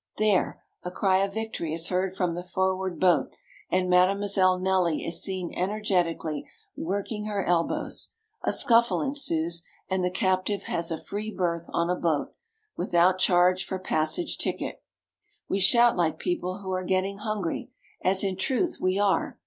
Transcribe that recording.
There! a cry of victory is heard from the forward boat; and Mademoiselle Nelly is seen energetically working her elbows: a scuffle ensues, and the captive has a free berth on a boat, without charge for passage ticket. We shout like people who are getting hungry, as in truth we are.